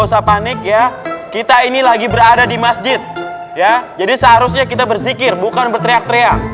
usah panik ya kita ini lagi berada di masjid ya jadi seharusnya kita bersikir bukan berteriak teriak